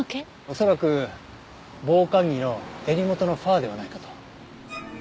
恐らく防寒着の襟元のファーではないかと。